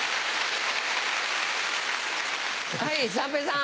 はい三平さん。